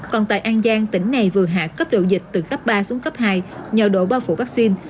còn tại an giang tỉnh này vừa hạ cấp độ dịch từ cấp ba xuống cấp hai nhờ độ bao phủ vaccine